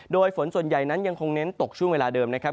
โดยฝนส่วนใหญ่นั้นยังคงเน้นตกช่วงเวลาเดิมนะครับ